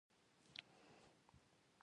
واوډل